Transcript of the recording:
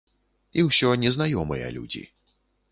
І ўсё незнаёмыя людзі.